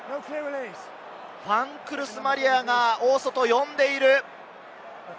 フアン・クルス・マリアが大外に呼んでいる。